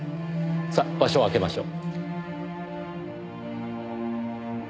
さあ場所をあけましょう。